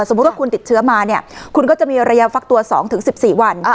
สมมุติว่าคุณติดเชื้อมาคุณก็จะมีระยะฟักตัว๒๑๔วัน